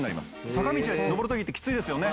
坂道上る時ってきついですよね。